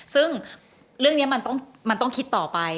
ซึ่งเรื่องนี้มันต้องคิดต่อไป